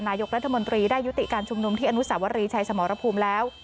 นายกรัฐมนตรีได้ยุติการชุมนุมที่อนุสาวรีชัยสมรภูมิแล้ว